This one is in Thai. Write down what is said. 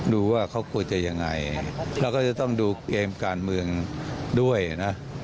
ดูว่าเขาควรจะยังไงเราก็จะต้องดูเกมการเมืองด้วยนะ